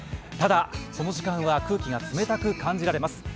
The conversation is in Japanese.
ただ、この時間は空気が冷たく感じられます。